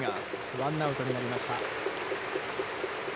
ワンアウトになりました。